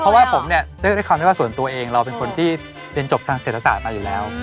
เพราะว่าพนักด้วยพี่นัทเราก็ได้ค้นในว่าในส่วนตัวเองเราเป็นคนที่เรียนจบจัดเศษฐศาสตร์มาอยู่แล้ว